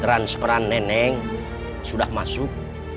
transferan nenek sudah masuk